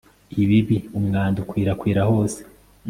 ibibi ... umwanda ukwirakwira hose